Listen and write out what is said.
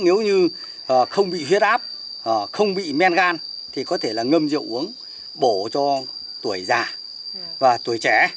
nếu như không bị huyết áp không bị men gan thì có thể là ngâm rượu uống bổ cho tuổi già và tuổi trẻ